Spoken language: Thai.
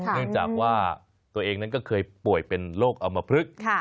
เนื่องจากว่าตัวเองนั้นก็เคยป่วยเป็นโรคอมพลึก